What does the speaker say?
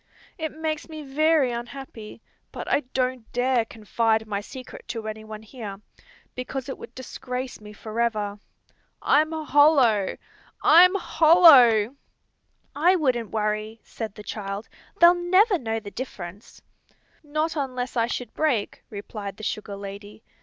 It makes me very unhappy, but I don't dare confide my secret to anyone here, because it would disgrace me forever." "I wouldn't worry," said the child. "They'll never know the difference." "Not unless I should break," replied the sugar lady.